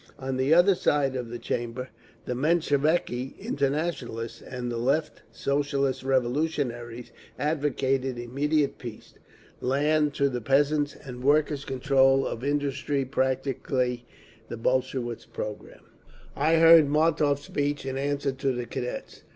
On the other side of the chamber the Mensheviki Internationalists and the Left Socialist Revolutionaries advocated immediate peace, land to the peasants, and workers' control of industry—practically the Bolshevik programme. I heard Martov's speech in answer to the Cadets.